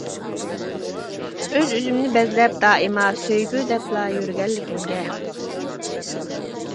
ئۆز-ئۆزۈمنى بەزلەپ دائىما، سۆيگۈ دەپلا يۈرگەنلىكىمگە.